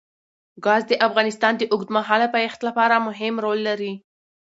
ګاز د افغانستان د اوږدمهاله پایښت لپاره مهم رول لري.